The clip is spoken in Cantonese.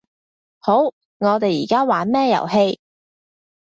好，我哋而家玩咩遊戲